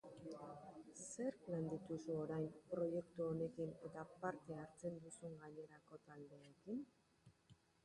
Zer plan dituzu orain, proiektu honekin eta parte hartzen duzun gainerako taldeekin?